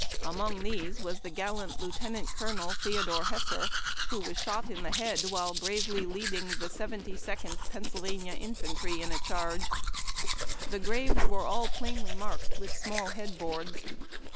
Among these was the gallant Lieutenant Colonel Tlieodore Hesser, who was shot 312 HARD TACK AND COFFEE. ill the head while bravely leading the Seventy second Penn S3"lvauia Infantry in a charge. The graves were all plainly marked with small head boards.